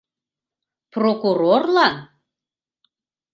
Прокурорлан?..